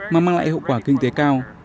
mà mang lại hiệu quả kinh tế cao